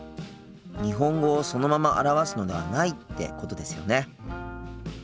日本語をそのまま表すのではないってことですよね？